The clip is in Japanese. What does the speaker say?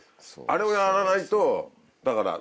あれをやらないとだから